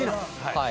「はい。